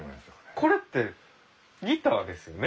これってギターですよね？